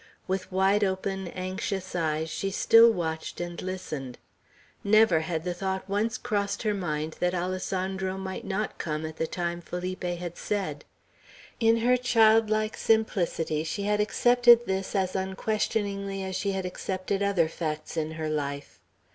With wide open, anxious eyes, she still watched and listened. Never had the thought once crossed her mind that Alessandro might not come at the time Felipe had said. In her childlike simplicity she had accepted this as unquestioningly as she had accepted other facts in her life.